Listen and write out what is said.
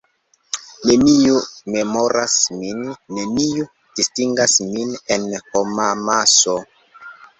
Neniu memoras min, neniu distingas min en homamaso.